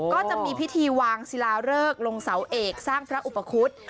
ก็จะมีพิธีวางศิลาเริกลงเสาเอกสร้างพระอุปคุฎ